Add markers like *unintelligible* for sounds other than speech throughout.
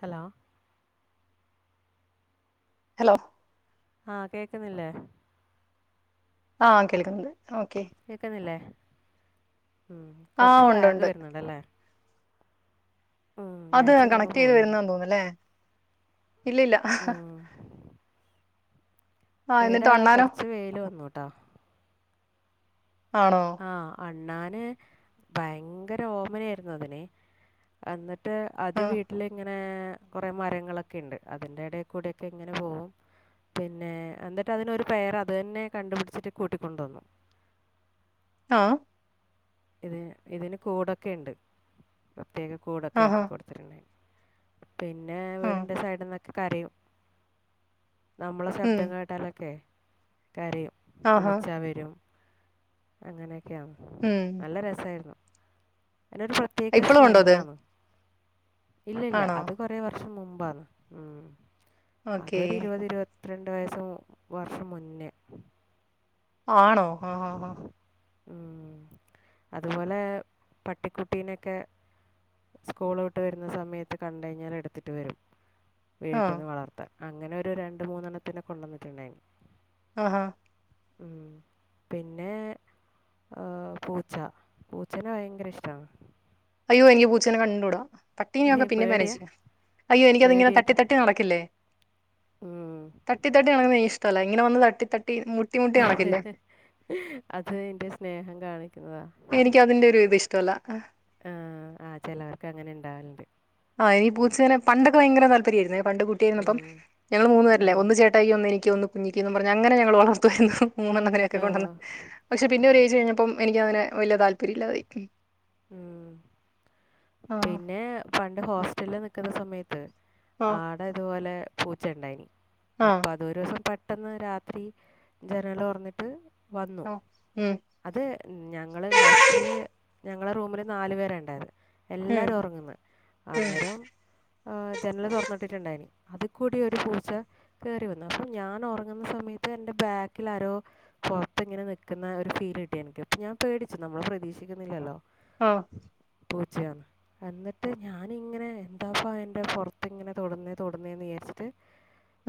Hello hello ആഹ കേക്കുന്നില്ലേ ആഹ കേൾക്കുന്നത് കേക്കുന്നില്ലേ ഉ ആ കൊറച്ച് ഉണ്ട് ലാഗ് ഉണ്ട് വരുന്നുണ്ടല്ലേ ഉം, ഞാൻ അത് വെച്ചത് അങ്ങ് കണക്ട് ചെയ്ത് പോയിന്ന് വരുന്നന്ന് തോന്നുന്നുല്ലേ ഇല്ലില്ല ഉം. ഇവിടെകൊറച്ച വെയില് വന്നൂട്ടാ ആണോ ആഹ അണ്ണന് ഭയങ്കര ഓമനയായിരുന്നു അതിനെ എന്നിട്ട് അത് ആ വീട്ടിൽ ഇങ്ങനെ കുറെേ മരങ്ങളൊക്കെ ഉണ്ട് അതിന്റെ ഇടയിൽ കൂടെൊക്കെ ഇങ്ങനെ പോകും പിന്നെ എന്നിട്ട് അതിനൊരു പേര് അത് തന്നെ കണ്ടുപിടിച്ചിട്ട് കൂട്ടിക്കൊണ്ടുവന്നു ആഹ ഇതി ഇതിന് കൂടൊക്കെ ഉണ്ട് പ്രത്യേക കൂടൊക്കെ ആഹാ ആക്കി കൊടുത്തിട്ടുണ്ട് പിന്നെ ആ വീടിന്റെ സൈഡി ഇരുന്നൊക്കെ കരയും നമ്മളെ ഉം ശബ്ദം കേട്ടാലൊക്കെ കരയും ആഹാ വിളിച്ചാൽ വരും അങ്ങനെയൊക്കെയാണ് ഉം നല്ല രസമായിരുന്നു അതിനൊരു പ്രത്യേക ഇപ്പളും ഉണ്ടോ അത് സ്മെല്ലാണ് ഇല്ല ഇല്ല ആണോ അത് കൊറേ വർഷം മുമ്പാണ് ഉ ഓക്കേ അതൊരു ഇരുപത് ഇരുപത്തി ഇരുപത്തിരണ്ട് വയസ് വർഷം മുന്നേ ആണോ ആഹ ആഹ് ആഹ ഉം അതുപോലെ പട്ടിക്കുട്ടിനൊക്കെ സ്കൂള് വിട്ട് വരുന്ന സമയത്ത് കണ്ട് കഴിഞ്ഞാൽ എടുത്തിട്ട് വരും ആ വീട്ടിൽവളർത്താൻ അങ്ങനെ ഒരു രണ്ടു മൂന്നെണ്ണത്തിനെ കൊണ്ടുവന്നിട്ടുണ്ടായിരുന്നു ആഹഹാ ഉ പിന്നെ പൂച്ച പൂച്ചനെ ഭയങ്കര ഇഷ്ടമാണ് അയ്യോ എനിക്ക് പൂച്ചേനെ കണ്ടൂടാ ഏ പട്ടീനൊക്കെ പിന്നെ പേടിയാ *inaudible* അയ്യോ എനിക്കത്ങ്ങനെ തട്ടി പേടിയായിട്ട് തട്ടി നടക്കില്ലേ ഉം. തട്ടി തട്ടി നടക്കുനത് എനിക്ക്ഇഷ്ടമല്ല ഇങ്ങനെ വന്ന് തട്ടി തട്ടി മുട്ടി മുട്ടി ഹ നടക്കില്ലേ ഹഅത് അതിന്റെ സ്നേഹം കാണിക്കുന്നതാ ചലാ ആ *inaudible* ആ ആ് ചിലവർക്ക് അങ്ങനെ ഉണ്ടാവലുണ്ട് ആ് ഇനി പൂച്ചനെ പണ്ടൊക്കെ ഭയങ്കര താപര്യമായിയിരുന്നു പണ്ട് ഉം. കുട്ടിയായിരുന്നപ്പംഞങ്ങങ്ങള് മൂന്നുേ പേരല്ലേ ഉം. ഒന്ന് ചേട്ടായി ഒന്ന് എനിക്ക് ഒന്ന് ങ്ങിക്കിന്ന് പറഞ്ഞ്ഞ അങ്ങന ഞൾ വളർത്തുമായിരുന്നു മൂന്നണ്ണനൊക്കെ കൊണ്ടന്ന് ഓ പക്ഷെ പിന്നെ ഒരു ദിവസം കഴിഞ്ഞപ്പം എനിക്കതിനെ വലിയ താല്പര്യം ഇല്ലാതായി ഉ ആ പിന്നെ പണ്ട് ഹോസ്റ്റലിൽ നിക്കുന്ന സമയത്ത് ആ ആടെ ഇതുപോലെ പൂച്ച ഉണ്ടായി ആ അപ്പൊ അത് ഒരു ദിവസം പ പെട്ടെന്ന് രാത്രി ജനല് തുറന്നിട്ട് വന്നു ആ ഉം അത് ഞങ്ങള് ഹോസ്റ്റല് ഞങ്ങളുടെ റൂമിൽ നാല് പേരു ണ്ടായിരുന്ന ഉം എല്ലാരും ഉറങ്ങന്ന് ഉം അന്നേരംആഹ് ജനൽ തുറന്നിട്ടിട്ടുണ്ടായിനി അത് കൂടി ഒരു പൂച്ച കേറി വന്നു അപ്പൊ ഞാൻ ഉറങ്ങുന്ന സമയത്ത് എന്റെ ബാക്കിൽ ആരോ പുറത്ത് ഇങ്ങനെ നിക്കുന്ന ഒരു ഫീ *unintelligible* എനിക്ക് അപ്പ ഞാൻ പേടിച്ചു നമ്മൾ പ്രതീക്ഷിക്കുന്നില്ലല്ലോ *unintelligible* *unintelligible* എന്നിട്ട് ഞാനിങ്ങനെ എന്താപ്പ എതിൻ്റെ പുറത്തിങ്ങനെ തോട്ന്നേ തൊടുന്നേന്ന് വിചാരിച്ചിട്ട്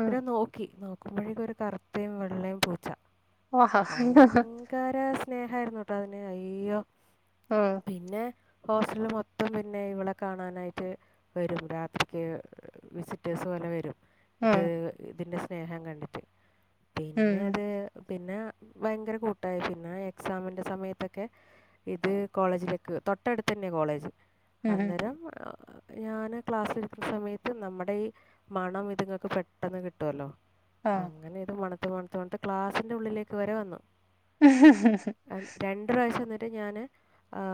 ഉം *unintelligible* നോക്കി നോക്കുമ്പോഴേക്കും ഒരു കറുത്തയും വെള്ളയും പൂച്ച *unintelligible* സ്നേഹയിരുന്നുട്ടോ അതിന് അയ്യോ ഉം പിന്നെ ഹോസ്റ്റല മൊത്തം പിന്നെ ഇവളെ കാണാനായിട്ട് വരും രാത്രിക്ക് വിസിറ്റേഴ്സ് പോലെ വരും ഉം ഇത് ഇതിന്റെ സ്നേഹം കണ്ടിട്ട് പിന്നെ ഉം അത് പിന്നെ ഭയങ്കര കൂട്ടായി പിന്നെ എക്സാമിന്റെ സമയത്തൊക്കെ ഇത് കോളേജിലേക്ക് തൊട്ടടുത്ത് തന്നെ കോളേജ് ഉം ഉം അന്നേരം ഞാന് ക്ലാസ് എടുക്കുന്ന സമയത്ത് നമ്മുടെ ഈ മണം ഇതുങ്ങൾക്ക് പെട്ടെന്ന് കിട്ടുവല്ലോ ആ അങ്ങനെ ഇത് മണത്ത മണത്ത മണത്ത് ക്ലാസ്സിന്റെ ഉള്ളിലേക്ക് വരെ വന്നു *unintelligible* ഞാന്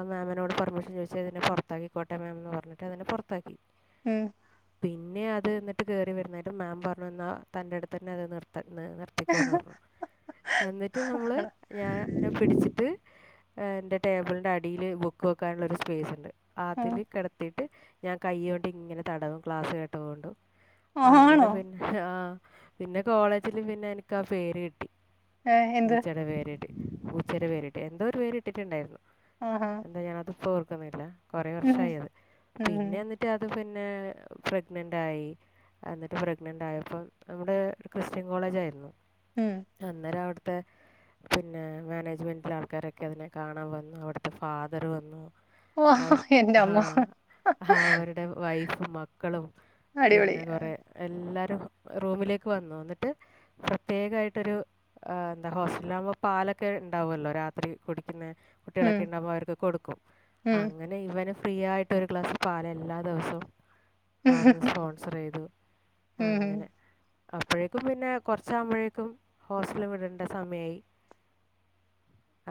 മാമിനോട് പെർമിഷൻ ചോദിച്ച ഇതിനെ പോറത്താക്കി കോട്ടെ മാംന്ന് പറഞ്ഞിട്ട് അതിനെ പുറത്താക്കി *unintelligible* പിന്നെ അത് എന്നിട്ട് കയറി വരുന്നായിട്ട് മാം പറഞ്ഞു തന്നാൽ തന്റെ അടുത്ത് തന്നെ അത് നിർ *unintelligible* നിർത്തിക്കുന്ന് പറഞ്ഞു എന്നിട്ട് നമ്മൾ ഞാൻ പിടിച്ചിട്ട് എന്റെ ടേബിളിന്റെ അടിയിൽ ബുക്ക് വെക്കാനുള്ള ഒരു സ്പേസ് ഉണ്ട് അതില് കിടത്തി *unintelligible* ഞാൻ കൈ കൊണ്ട് ഇങ്ങനെ തടവും ക്ലാസ്സ് കേട്ടകോണ്ടും ആ അങ്ങനെ ആണോ പിന്നെ ആഹ് പിന്നെ കോളേജിലും പിന്നെ എനക്ക് ആ പേര് കിട്ടി ഏ എന്ത് പൂച്ചേടെ പേരിട്ട് പൂച്ചയുടെ പേരിട്ട് എന്തോ ഒരു പേര് ഇട്ടിട്ടുണ്ടായിരുന്നു ആഹാ എന്താ ഞാനത് ഇപ്പം ഓർക്കുന്നില്ല കൊറെ ഉം വർഷായി അത് ഉം പിന്നെ ഇന്നിറ്റ് അത് *unintelligible* ന്നെ പ്രഗ്നനെൻ്റായി അന്നിട്ട് പ്രഗ്നന്റ് ആയപ്പം അവിടെ ക്രിസ്ത്യൻ കോളേജ് ആയിരുന്നു ഉം അന്നേരം അവിടുത്തെ പിന്നെ മാനേജ്മെന്റിലെ ആൾക്കാരൊക്കെ അതിനെ കാണാൻ വന്നു അവിടുത്തെ ഫാദറ് വന്നു ഓ ആ ആ എന്റെമ്മോ ആ, അവരുടെ വൈഫും മക്കളും പിന്നെ കൊറെ എല്ലാ റൂമിലേക്ക് വന്നു എന്നിട്ട് പ്രത്യേകായിട്ടൊരു ആഹ് എന്താ ഹോസ്റ്റലാവുമ്പോ പാലൊക്കെ ഇണ്ടാവല്ലോ രാത്രി കുടിക്കുന്ന ഉം കുട്ടികളൊക്കെ ഇണ്ടാവുമ്പോ അവർക്ക് കൊടുക്കും ഉം അങ്ങനെ ഇവന് ഫ്രീ ആയിട്ട് ഒരു ഗ്ലാസ് പാല് എല്ലാ ദിവസവും അവിടുന്ന് ഉം സ്പോൺസറ് ചെയ്തു ഉം അങ്ങനെ അപ്പഴേക്കും പിന്നെ കൊറച്ചാകുമ്പഴേക്കും ഹോസ്റ്റല് വിടേണ്ട സമയായി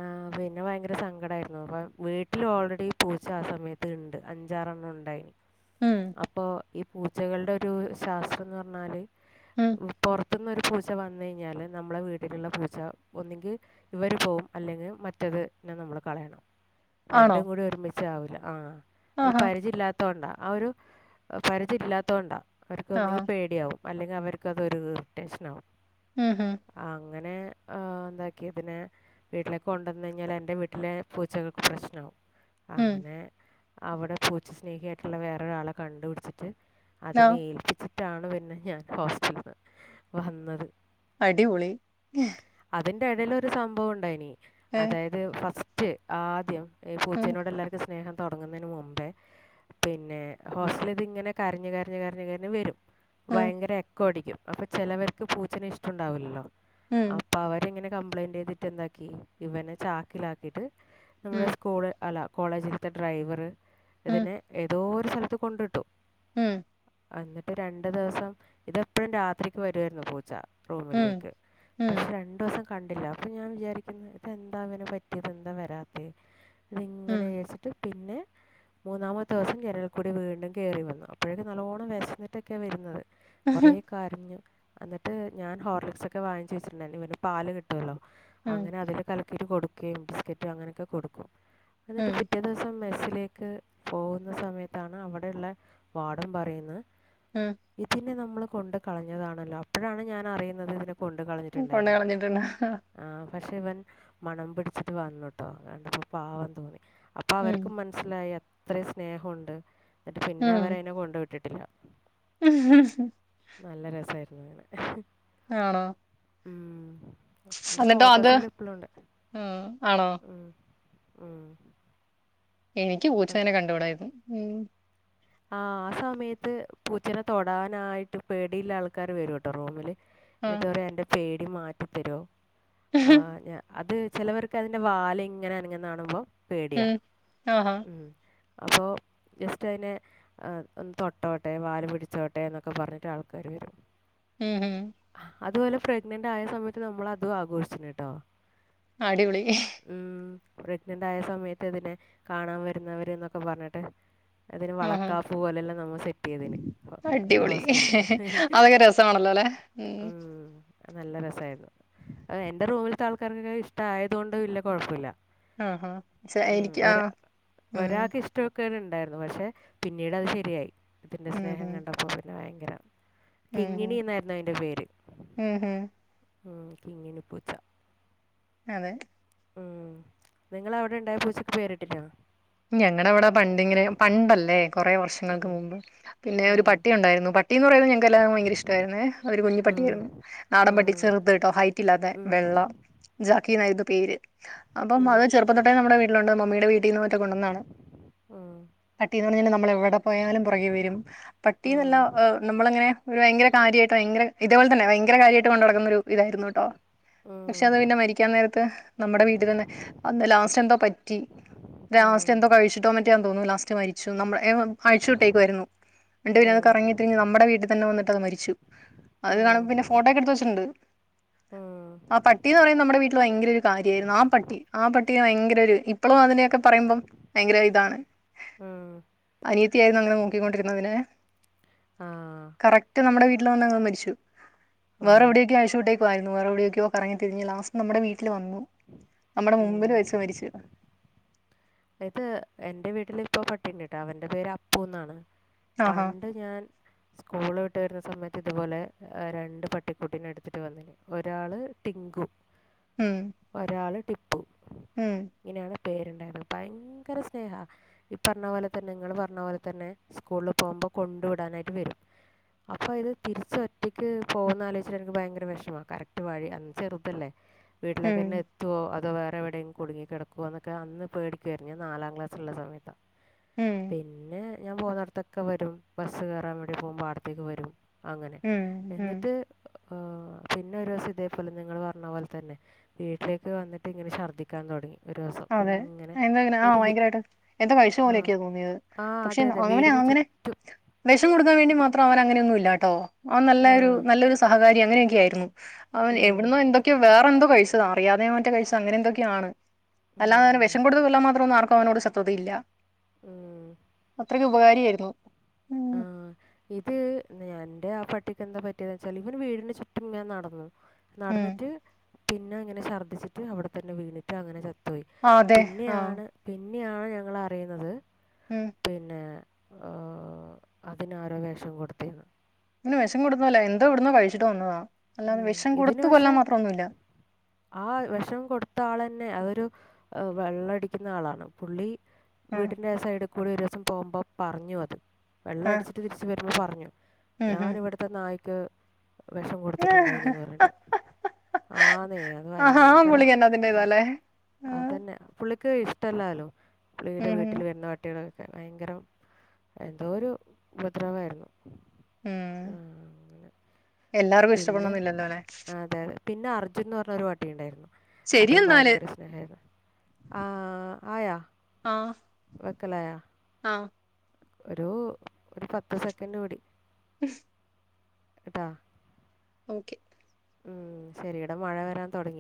ആഹ് പിന്നെ ഭയങ്കര സങ്കടായിരുന്നു അപ്പ വീട്ടില് ഓൾറെഡി പൂച്ച ആ സമയത്ത് ഇണ്ട് അഞ്ചാറെണ്ണം ഉണ്ടായി ഉം അപ്പൊ ഈ പൂച്ചകളുടെ ഒരു ശാസ്ത്രംന്ന് പറഞ്ഞാല് ഉം പൊറത്ത് പൊറത്തുന്നൊരു പൂച്ച വന്ന് കഴിഞ്ഞാല് നമ്മളെ വീട്ടിലുള്ള പൂച്ച ഒന്നെങ്കി ഇവര് പോകും അല്ലെങ്കി മറ്റേത് പിന്നെ നമ്മള് കളയണം ആണോ രണ്ടും കൂടി ഒരുമിച്ച് ആവില്ല ആ അത് ആഹാ പരിചയെല്ലാത്തകൊണ്ടാ ആ ഒരു പരിചയം ഇല്ലാത്ത കൊണ്ടാ അവര്ക്ക് ആഹാ ഒന്നുകിൽ പേടിയാവും അല്ലെങ്കി അവർക്കതൊരു ഇറിട്ടേഷനാകും ഉം ഉം അങ്ങനെ ആഹ് എന്താക്കി ഇതിനെ വീട്ടിലേക്ക് കൊണ്ടന്ന് കഴിഞ്ഞാ എ എന്റെ വീട്ടിലെ പൂച്ചകൾക്ക് പ്രശ്നാവും ഉം അങ്ങനെ അവിടെ പൂച്ച സ്നേഹിയായിട്ടുള്ള വേറൊരാളെ കണ്ടുപിടിച്ചിട്ട് ആ അതിനെ ഏൽപ്പിച്ചി ട്ടാണ് പിന്നെ ഞാൻ ഹോസ്റ്റലിന്ന് വന്നത് അടിപൊളി അതിന്റെ ഇടയിൽ ഒരു സംഭവം ഉണ്ടായിനി ഏ അതായത് ഫസ്റ്റ് ആദ്യം ഈ ഉം പൂച്ചനോട് എല്ലാർക്കും സ്നേഹം തുടങ്ങുന്നതിന് മുമ്പേ പിന്നെ ഹോസ്റ്റല ഇത് ഇങ്ങനെ കരഞ്ഞ് കരഞ്ഞ് കരഞ്ഞഞ് കരഞ്ഞ് വരും ഉം ഭയങ്കര എക്കോടിക്കും അപ്പൊ ചെിലവർക്ക് പൂച്ചന് ഇഷ്ടംണ്ടാവില്ലല്ലോ ഉം അപ്പൊ അവരെങ്ങനെ കംപ്ലൈന്റ് ചെയ്തിട്ട് എന്താക്കി ഇവനെ ചാക്കിലാക്കിട്ട് നമ്മുടെ ഉം സ്കൂള് അല്ല കോളേജിലത്തെ ഡ്രൈവർ ഉം ഇതിനെ ഏതോ സ്ഥലത്ത് കൊണ്ടിട്ടു ഉം എന്നിട്ട് രണ്ടു ദിവസം ഇതെപ്പോഴും രാത്രിക്ക് വരുവാരുന്നു പൂച്ച ഉം റൂമിലേക്ക് പക്ഷെ രണ്ടു ദിവസം കണ്ടില്ല അപ്പൊ ഞാൻ വിചാരിക്കുന്ന ഇത് എന്താ ഇവന് പറ്റി ഇപ്പം എന്താ വരാത്തേ ഉം ഇതിങ്ങനെ വച്ചിട്ട് പിന്നെ മൂന്നാമത്തെ ദിവസം ജനൽ കൂടി വീണ്ടും കയറി വന്നു അപ്പോഴേക്കെ നല്ലോണ്ണം വിശന്നിട്ടൊക്കെ വരുന്നത് കുറെ കരഞ്ഞു എന്നിട്ട് ഞാൻ ഹോർലിക്സ് ഒക്കെ വാങ്ങി വെച്ചിട്ടുണ്ടല്ലോ ഇവന് പാല് കിട്ടുവല്ലോ ഉം ഉം അങ്ങനെ അതില് കലക്കിയിട്ട് കൊടുക്കുകയും ബിസ്ക്കറ്റും അങ്ങനെയൊക്കെ കൊടുക്കും എന്നിട്ട് ഉം പിറ്റേ ദിവസം മെസ് യിലേക്ക് പോകുന്ന സമയത്താണ് അവിടെ ഉള്ള വാടം പറയുന്ന ഉം നമ്മൾ കൊണ്ട് കളഞ്ഞതാണല്ലോ അപ്പോഴാണ് ഞാൻ അറിയുന്നത് ഇവനെ കൊണ്ട് ഉം കൊണ്ട് കളഞ്ഞിട്ടുണ്ടായി കളഞ്ഞിട്ടുണ്ട് ആ പക്ഷെ ഇവൻ മണം പിടി ച്ച് വന്നുട്ടോ കണ്ടപ്പോ പാവം തോന്നി അപ്പൊ ഉം അവർക്കും മനസ്സിലായി ഇത്രയും സ്നേഹംണ്ട് എന്നിട്ട് പിന്നെ അവരെ അതിനെ കൊണ്ടുവിട്ട് ഉം നല്ല *inaudible* ആണോ ഉം അതിന്റെ എന്നിട്ടോ അത് ഫോട്ടോസ് എല്ലാം ഇപ്പോളും ഉണ്ട് ഉം ആണോ ഉം എനിക്ക് ഉം. പൂച്ചനെ കണ്ടുടാ അതിന് ഉം ആ ആ സമയത്ത് പൂച്ചനെ തൊടാനായിട്ട് പേടിയില്ല ആൾക്കാര് വരൂ കേട്ടോ റൂമില് ആ എന്നിട്ട് പറയ് എന്റെ പേടി മാറ്റിത്തരോ ആ അത് ചിലവർക്ക് അതിന്റെ വാല് ഇങ്ങനെ അനങ്ങുന്ന കാണുമ്പോ പേടിയാ ഉം ആഹാ ഉം അപ്പോൾ ജസ്റ്റ് അതിനെ ആ ഒന്ന് തൊട്ടോട്ടെ വാല് പിടിച്ചോട്ടെ എന്നൊക്കെ പറഞ്ഞിട്ട് ആൾക്കാര് വരും ഉം ഉം അതുപോലെ പ്രഗ്നന്റ് ആയ സമയത്ത് നമ്മൾ അതും ആഘോഷിച്ചുണ്ട്ട്ടോ അടിപൊളി പ്രഗ്നന്റ് ആയ സമയത്ത് ഇതിനെ കാണാൻ വരുന്നവര എന്നൊക്കെ പറഞ്ഞിട്ട് അതിന് വള ഉം അടിപൊളി ഹോസ്റ്റലിൽ അതൊക്കെ രസമാണല്ലോ അല്ലെ ഉം മ് നല്ല രസായിരുന്നു അ എന്റെ റൂമിലത്തെ ആൾക്കാർക്കൊക്കെ ഇഷ്ട ആയതൊണ്ട് വല്യ കുഴപ്പല്ല ആഹാ ശ്ശെ, ഉം എനിക്ക് ആ ഒരാ ഉം ഒരാൾക്ക് ഇഷ്ട ണ്ടായിരുന്നു പക്ഷെ പിന്നീട് അത് ശരിയായി ഇതിൻ്റെ ഉം ഉം സ്നേഹം കണ്ടപ്പോൾ പിന്നെ ഭയങ്കര ഉം കിങ്ങിണി ഉം എന്നായിരുന്നു അതിന്റെ പേര് ഉം ഉം ഉം കിങ്ങിണി പൂച്ച അതെ ഉം നിങ്ങള് അവിടെ ഉണ്ടായ പൂച്ചക്ക് പേരിട്ടില്ലാ ഞങ്ങടെ അവിടെ പണ്ടിങ്ങനെ പണ്ടല്ലേ കുറേ ഉം. വർഷങ്ങൾക്ക് മുമ്പ് പിന്നെ ഒരു ഉം. പട്ടിയുണ്ടായിരുന്നു പ പട്ടിന്നു പറഞ്ഞാ ഞങ്ങക്ക് എല്ലാർക്കും ഭയങ്കര ഇഷ്ട്ടായിരുന്നേ ഒരു കുഞ്ഞി പട്ടിയായിരുന്നു. നാടൻ പട്ടി ചെറുതെട്ടോ ഹൈറ്റ് കില്ലാതെ വെള്ള ജാക്കിന്നായിരുന്നു പേര്. അപ്പം അത് ചെറുപ്പം തൊട്ടേ നമ്മുടെ വീട്ടിലുണ്ട് മമ്മിടെ വീട്ടീന്ന് മറ്റെ കൊണ്ടുന്നാണ്. മ് പട്ടിന്ന് പറഞ്ഞാൽ നമ്മള എവിടെ പോയാലും പുറകെ വരും പട്ടി ന്നല്ലാ നമ്മളങ്ങനെവയങ്കര കാര്യയിട്ട് ങ്കര ഇതെപോലെ തന്നെവയങ്കര കാര്യയിട്ട് കൊണ്ടക്കുന്നൊരു ഇതായിരുന്നുട്ടോ. പക്ഷെ അത് പിന്നെ മരിക്കാൻ നേരത്ത് നമ്മടെ വീട്ടിതന്നെ അന്ന് ലാസ്റ്റ് എന്തോ പറ്റി. ലാസ്റ്റ് എന്തോ കഴിച്ചിട്ടോ മാറ്റാആ തോന്നുണു ലാസ്റ്റ് മരിച്ചു. നമ്മള എ ഓ അഴിച്ചു വിട്ടേകുയാഇരുന്നു. നിട്ട് പിന്ന അത് കറങ്ങി തിരിഞ്ഞ് നമ്മടെ വീട്ടി തന്നെവന്നിട്ട്ത് മരിച്ചു. അത് കാണുമ്പം പിന്നെ ഫോട്ടോക്കെ എടുത്തു വെച്ചിട്ടുണ്ട്. ആ പട്ടി ന്ന് പറയിന്നത് നമ്മടെ വീട്ടിൽ വയങ്കര ഒരു കാര്യരുന്നു ആ പട്ടി ആ പട്ടി *unintelligible* ഭയങ്കര ഒരു ഇപ്പോഴും അതിനെയൊക്കെ പറയുമ്പം ഭയങ്കര ഇതാണ് അനിയത്തി തിയാരുന്നു അ അതിനെ നോക്കി ക്കൊണ്ടിരുന്നതിനെ ആ കറക്റ്റ് നമ്മുടെ വീട്ടിൽ വന്നങ് മരിച്ചു. ഓ വേറെ എവിടേക്കോ അഴിച്ചുവിട്ടേക്കായിരുന്നു വേറെ എവിടെയക്കോ കറങ്ങി തിരി ഞ് ലാസ്റ്റ് നമ്മുടെ വീ ട്ടില് വന്നു നമ്മടെ മുമ്പില് ഉം. വെച്ച് മരിച്ച്. ഇത് എന്റെ വീട്ടില് ഇപ്പോ പട്ടിണ്ട് ട്ടോ അവന്റെ പേര് അപ്പൂന്നാണ്. ആഹാ പണ്ട് ഞാൻ സ്കൂള് വിട്ട് വരുന്ന സമയത്ത് റ്റ ഇതുപോലെ രണ്ട് പട്ടിക്കുട്ടിനെ ടുത്തിട്ട് വന്നീനു ഒരാള് ടിങ്കു. ഒരാൾ ട്ടിപ്പു. മം പേരുണ്ടായിരുന്നു ഭയങ്കര സ്നേഹ ഈ പറഞ്ഞ പോലെ തന്നെ നിങ്ങൾ പറഞ്ഞ പോലെ തന്നെ സ്കൂളിൽ പോകു ഇപ്പൊ കൊണ്ടു വിടാനായിട്ട് വരും. അപ്പൊഅ ഇത് തിരിച്ച് ഒറ്റയ്ക്ക് പോകുന്ന ആലോയിച്ചു എനിക്ക് ഭയങ്കര വെഷമാ കറക്റ്റ് വഴി അന്ന് ചെറുതല്ലേ. ഉം പിന്നെ എത്തോ അതോ വേറെ എവിടേം കുടുങ്ങി കെടക്കോ ന്നൊക്കെ മോൊക അന്ന്േിക്കുായിഞ്ഞാൽ നാലാം ക്ലാസ്സുള്ള സമയത്താ. ഉം പിന്നെ ഞാൻ പോന്നൊടുത്തൊക്കെ വരും ബസ് കേറാൻവേണ്ടി പോകുമ്പോ അടുത്തേക്ക് വരും. അങ്ങനെ ഉം ഉം എന്നിട്ട് ഓ ആ പിന്നെ ഒരുസം ഇതേപോലെ നിങ്ങൾ പറഞ്ഞ പോലെ തന്നെ വീട്ടിലേക്ക് വന്നിട്ട് ഇങ്ങനെ ഷർദിക്കാൻ തുടങ്ങി. ഒരു ദിവസം അ അതെ ഇങ്ങനെ എന്താ ഇങ്ങന ആ എന്നിട്ട് വി- ഭയങ്കരായിട്ട് എന്താ കഴിച്ച ആ പോലെയൊക്കെയാ തോന്നിയത്. ആ അതെ പക്ഷെന്ന് അതെ അങ്ങനെ വീടിന് അങ്ങനെ ചുറ്റും വെഷം കൊടുക്കാൻ വേണ്ടി മാ ത്രം അവൻ അങ്ങനെയൊന്നുല്ല ട്ടോ അവൻ ആ, നല്ലൊരു നല്ലൊരു സഹകാരി അങ്ങനെയൊക്കെ ആയിരുന്നു. അവൻ ഉം, എവിടന്നോ എന്തൊക്കെയോ വേറെ എന്തോ കഴിച്ചതാ അറിയാതെയോ മറ്റോ കഴിച്ചത് അങ്ങനെ എന്തൊക്കെആണ്. അല്ലാതെ അവന് ഉം, വെഷം കൊടു കൊല്ലാ മാത്രം ഒന്നും ആർക്കും അവനോട് ശത്രുത ഇല്ല. ഉം, അത്രക്കും ഉപകാരി യിരുന്നു. ദേ ആ പട്ടിക്ക് എന്താ പറ്റിയത് ച്ചാൽ ഇവൻ വീടിന്റെ ചുറ്റുങ്ങെനെ നടന്നു ഉം നടന്നിറ്റ് പിന്നെ അങ്ങനെ ഛർദ്ദിച്ചിട്ട് അവിടെ തന്നെ വീണിട്ട് അങ്ങനെ ചത്തോയി. ആഹ് അതെ ആഹ് പിന്നെയാണ് പിന്ന ഇന്നെയാഞങ്ങൾ അറിയുന്നത് ഉം പിന്നെ ഓ അതിനാരോ വെഷം കൊടുത്തീന്നു. തിന് വെഷം കൊടുത്ത തല്ല എന്തോ എവിടുന്നോ കഴിച്ചിട്ട് വന്നതാ. ഉ അല്ലാതെ വെഷം ഇതിന് കൊടുത്ത് പക്ഷെ കൊല്ലാൻ മാത്രമൊന്നുമില്ല ആ വിഷം കൊടുത്ത ആളന്നെ ന്നെ അതൊരു വെള്ളംടിക്കുന്ന ആളാണ് പുള്ളി ആഹ് വീടിന്റെ ആ സൈഡിക്കോ ഓരോസം പോകുമ്പോമ് പറഞ്ഞു അത് വെള്ളം ആഹ് അടിച്ചിട്ട് തിരിച്ച് വരുമ്പോ പറഞ്ഞു ഉം ഉം ഞാനീവിടുത്തെ നായ്ക്ക് വെഷം കൊടുത്തിട്ടുണ്ടായി ന് പറഞ്ഞിട്ട് ആന്നെ അത് ആഹാ ആ ഭയങ്കരം പുള്ളിക്കന്നെ അതിന്റെ എ ഇതാല്ലേ ആഹ് അതന്നെ പുള്ളിക്ക് ഇ ട്ടല്ലല്ലോ പുള്ളീടെ ഉം വീട്ടിൽ വരുന്ന വട്ടികൾ എ ഭയങ്കരം എന്തോരു ഉപദ്രവായിരുന്നു. ഉം ആ അങ്ങനെ എല്ലാർക്കും പിന്നെ ഇഷ്ടപ്പെടണന്നില്ലല്ലോനെ അതെ അതെ പിന്നെ അർജുൻന്ന്റഞ്ഞ ഒരു പട്ടിണ്ടായിരുന്നു. ശരി അതും എന്നാല് ഭയങ്കരസ്നേഹരുന്നു. ആ ആയാ വെക്കലെയാ അ ഒരു, ഒരു, പത്ത്, സെക്കൻഡ് കൂടി. കേട്ടാ ഓക്കെ മം, ശെരി, ഈട, മഴ, വരാൻ തൊടങ്ങി.